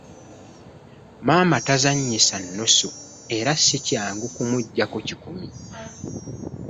Maama tazannyisa nnusu era si kyangu kumuggyako kikumi!